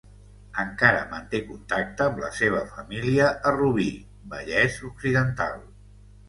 Encara manté contacte amb la seva família a Rubí, Vallès Occidental.